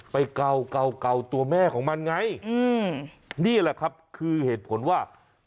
ไปเก่าตัวแม่ของมันไงนี่แหละครับคือเหตุผลว่า